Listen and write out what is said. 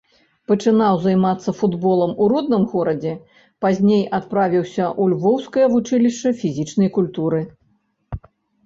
Пачынаў займацца футболам у родным горадзе, пазней адправіўся ў львоўскае вучылішча фізічнай культуры.